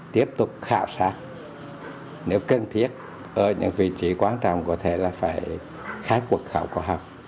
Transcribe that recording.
tiếp tục khảo sát nếu cần thiết ở những vị trí quan trọng có thể là phải khai cuộc khảo cổ học